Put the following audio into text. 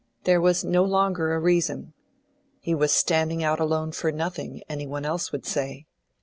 There was no longer a reason. He was standing out alone for nothing, any one else would say.